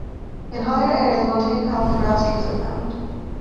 In higher areas montane heath and grasstrees are found.